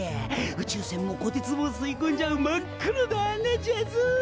宇宙船もこてつも吸いこんじゃう真っ黒な穴じゃぞ。